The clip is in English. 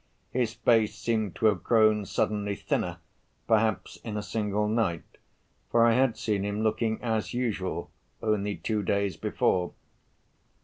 His face seemed to have grown suddenly thinner, perhaps in a single night, for I had seen him looking as usual only two days before.